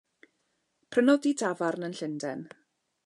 Prynodd dŷ tafarn yn Llundain.